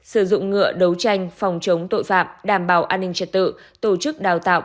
sử dụng ngựa đấu tranh phòng chống tội phạm đảm bảo an ninh trật tự tổ chức đào tạo